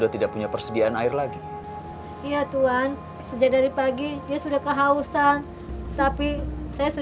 tidak usah mas